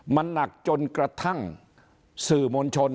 มันหนักจนกระทั่งสื่อมวลชน